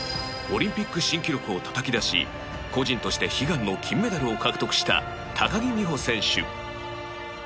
オリンピック新記録をたたき出し個人として悲願の金メダルを獲得した高木美帆選手